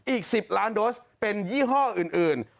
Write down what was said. อีก๑๐ล้านโดสเป็นยี่ห้ออื่น